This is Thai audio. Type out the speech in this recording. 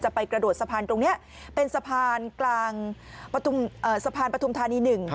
ไปกระโดดสะพานตรงนี้เป็นสะพานกลางสะพานปฐุมธานี๑